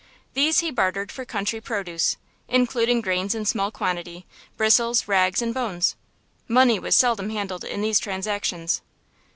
These he bartered for country produce, including grains in small quantity, bristles, rags, and bones. Money was seldom handled in these transactions.